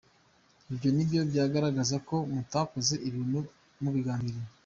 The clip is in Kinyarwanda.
Ibyo ni byo byagaragaza ko mutakoze ibintu mubigambiriye.